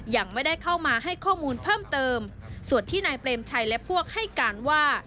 ยังไม่ได้เข้ามาให้ข้อมูลเพิ่มเติมส่วนที่นายเปรมชัยและพวกให้การว่า